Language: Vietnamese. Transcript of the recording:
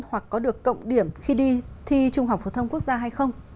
hoặc có được cộng điểm khi đi thi trung học phổ thông quốc gia hay không